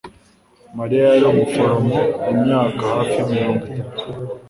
Mariya yari umuforomo imyaka hafi mirongo itatu.